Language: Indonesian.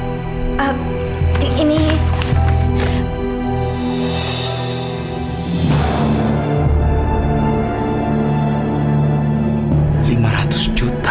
aku harus bicara sama bu laras